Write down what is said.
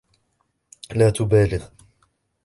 لا تُبالِغ.